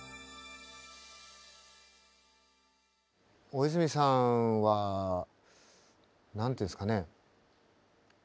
大泉さんは何ていうんですかね